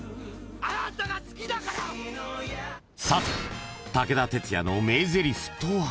［さて武田鉄矢の名ぜりふとは？］